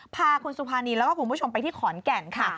พาคุณสุภานีแล้วก็คุณผู้ชมไปที่ขอนแก่นค่ะ